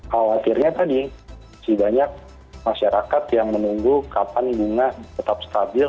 khawatirnya tadi masih banyak masyarakat yang menunggu kapan bunga tetap stabil